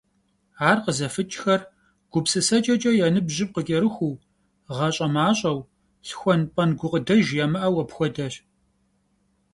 Ар къызэфыкӀхэр гупсысэкӀэкӀэ я ныбжьым къыкӀэрыхуу, гъащӀэ мащӀэу, лъхуэн-пӀэн гукъыдэж ямыӀэу апхуэдэщ.